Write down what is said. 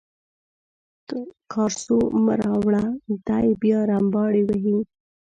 کارسو مه راوړه دی بیا رمباړې وهي.